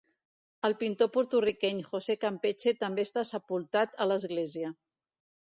El pintor porto-riqueny José Campeche també està sepultat a l'església.